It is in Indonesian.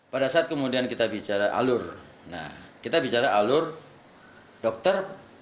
pada saat kemudian kita bicara alur nah kita bicara alur dokter